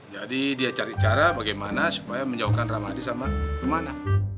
jadi dia cari cara bagaimana supaya menjauhkan rahmadi sama rumana